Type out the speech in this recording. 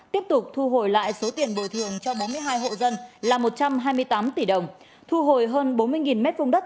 tiếp tục thu hồi lại số tiền bồi thường cho bốn mươi hai hộ dân là một trăm hai mươi tám tỷ đồng thu hồi hơn bốn mươi m hai đất